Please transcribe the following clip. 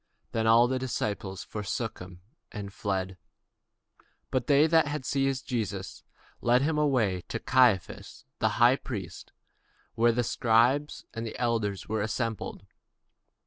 Then all the disciples forsook him, and fled. And they that had laid hold on Jesus led him away to Caiaphas the high priest, where the scribes and the elders were assembled.